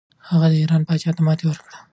هغه د ایران پاچا ته ماتې ورکړه.